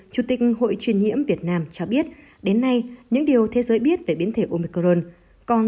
chủ tịch hội truyền nhiễm việt nam cho biết đến nay những điều thế giới biết về biến thể omicron